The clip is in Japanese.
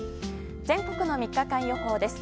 全国の３日間予報です。